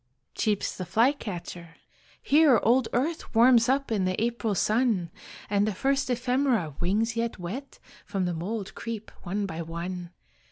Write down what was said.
Cheeps the flycatcher "Here old earth Warms up in the April sun; And the first ephemera, wings yet wet, From the mould creep one by one.